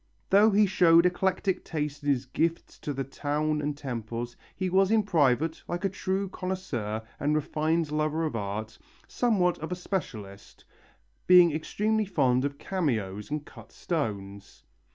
Though he showed eclectic taste in his gifts to the town and temples, he was in private, like a true connoisseur and refined lover of art, somewhat of a specialist, being extremely fond of cameos and cut stones.